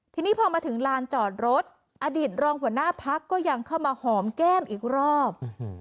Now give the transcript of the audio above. ทีนี้พอมาถึงลานจอดรถอดีตรองหัวหน้าพักก็ยังเข้ามาหอมแก้มอีกรอบ